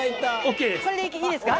これでいいですか？